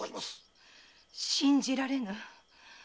信じられぬ！